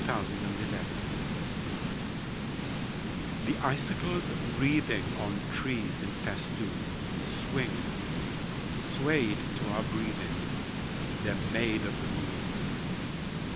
SILVER FILIGREE The icicles wreathing On trees in festoon Swing, swayed to our breathing: They're made of the moon.